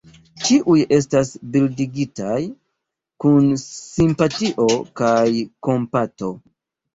Ĉiuj estas bildigitaj kun simpatio kaj kompato.